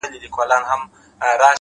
هره ورځ د نوې ودې چانس لري!.